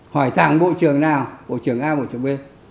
hỏi thẳng bộ trường nào bộ trường a bộ trường b